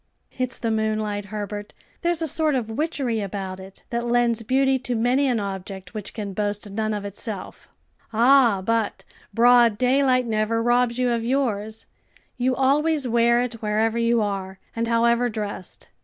"It's the moonlight, Herbert; there's a sort of witchery about it, that lends beauty to many an object which can boast none of itself." "Ah, but broad daylight never robs you of yours; you always wear it wherever you are, and however dressed.